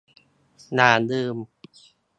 อย่าลืม !